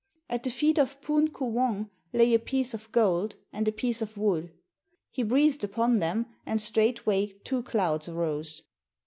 At the feet of Poon Koo Wong lay a piece of gold and a piece of wood. He breathed upon them and straightway two clouds arose.